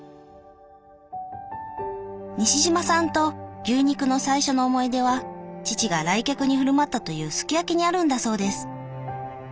西島さんと牛肉の最初の思い出は父が来客に振る舞ったというすき焼きにあるんだそうです。